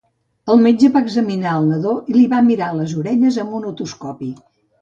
El metge va examinar el nadó i li va mirar les orelles amb un otoscopi.